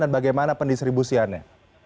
dan bagaimana pendistribusiannya